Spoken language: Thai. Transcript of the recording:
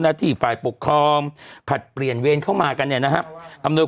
ที่ฝ่ายปกครองผลัดเปลี่ยนเวรเข้ามากันเนี่ยนะครับอำนวย